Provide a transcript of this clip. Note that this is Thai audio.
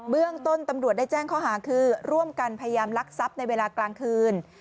เรื่องต้นตำรวจได้แจ้งข้อหาคือร่วมกันพยายามลักทรัพย์ในเวลากลางคืน